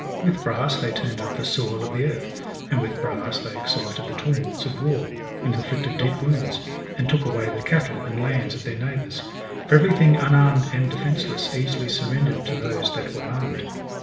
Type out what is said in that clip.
^ With brass they turned up the soil of the earth ; and with brass they excited the tumults of war, and inflicted deep wounds, and took away the cattle and lands of their neighbours; for every thing unarmed and defenceless easily surrendered to those that were armed.